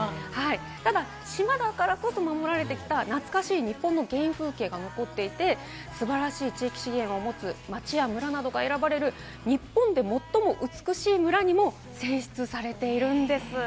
ただ島だからこそ守られてきた懐かしい日本の原風景が残っていて、素晴らしい地域資源を持つ町や村などが選ばれる、日本で最も美しい村にも選出されているんです。